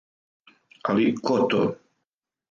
Али ко то?